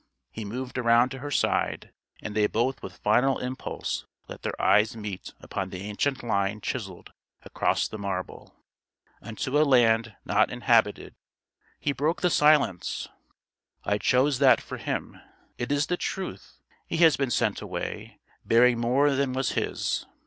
He moved around to her side; and they both with final impulse let their eyes meet upon the ancient line chiselled across the marble: "=Unto a Land Not Inhabited.=" He broke the silence: "I chose that for him: it is the truth: he has been sent away, bearing more than was his."